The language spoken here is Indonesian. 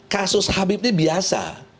kasus habib ini biasa